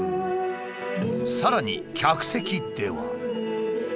さらに客席では。